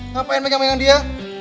ngapain main mainin dia